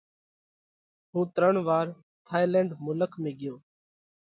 ھُون ترڻ وار ٿائِيلينڍ ملڪ ۾ ڳيوه۔